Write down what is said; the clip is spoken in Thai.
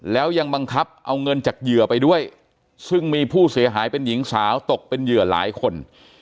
แล้วยังบังคับเอาเงินจากเหยื่อไปด้วยซึ่งมีผู้เสียหายเป็นหญิงสาวตกเป็นเหยื่อหลายคน